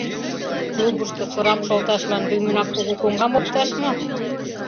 Клубышто сырам шолташлан лӱмынак кугу коҥгам опташ мо?